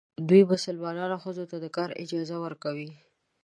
دوی مسلمانان ښځو ته د کار اجازه ورکوي.